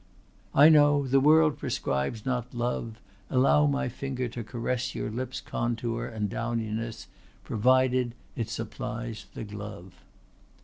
"I know; the world proscribes not love, Allows my finger to caress Your lips' contour and downiness Provided it supplies the glove."